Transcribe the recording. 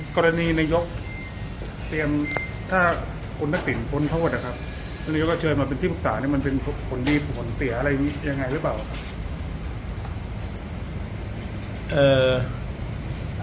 กรณีนายกเตรียมถ้าคุณทักษิณพ้นโทษนะครับหรือว่าเชิญมาเป็นที่ปรึกษาเนี่ยมันเป็นผลดีผลเสียอะไรยังไงหรือเปล่าครับ